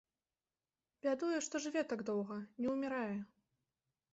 Бядуе, што жыве так доўга, не ўмірае.